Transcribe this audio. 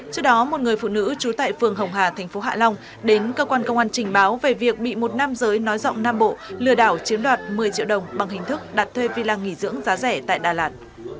trước đó một người phụ nữ trú tại phường hồng hà thành phố hạ long đến cơ quan công an trình báo về việc bị một nam giới nói rộng nam bộ lừa đảo chiếm đoạt một mươi triệu đồng bằng hình thức đặt thuê villa nghỉ dưỡng giá rẻ tại đà lạt